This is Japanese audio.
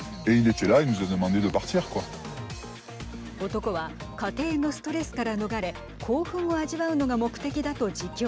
男は、家庭のストレスから逃れ興奮を味わうのが目的だと自供。